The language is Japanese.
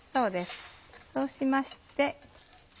そうしまして。